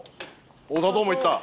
お砂糖もいった！